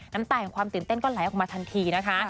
น้ำตาแห่งความตื่นเต้นก็ไหลออกมาทันทีนะคะ